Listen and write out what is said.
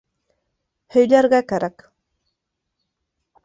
— Һөйләргә кәрәк.